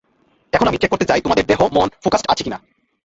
এখন আমি চেক করতে চাই তোমাদের দেহ-মন ফোকাসড আছে কি না।